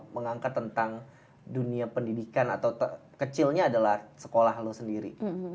mengangkat tentang dunia pendidikan atau kecilnya adalah sekolah lo sendiri